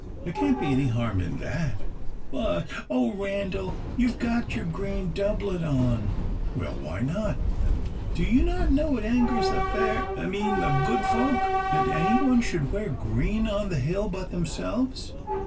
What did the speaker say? There can't be any harm in that!" "But, oh Randal, you've got your green doublet on!" "Well! why not?" "Do you not know it angers the fair I mean the good folk, that anyone should wear green on the hill but themselves?"